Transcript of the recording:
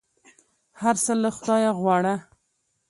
هر څه له خدایه غواړه !